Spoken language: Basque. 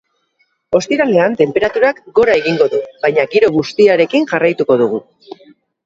Ostiralean tenperaturak gora egingo du, baina giro bustiarekin jarraituko dugu.